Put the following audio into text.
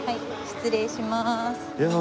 失礼します。